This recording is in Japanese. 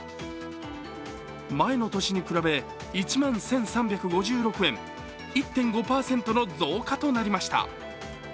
前の年に比べ１万１３５６円、１．５％の増加となりました。